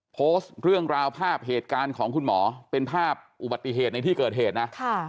โพสต์เรื่องราวภาพเหตุการณ์ของคุณหมอเป็นภาพอุบัติเหตุในที่เกิดเหตุนะ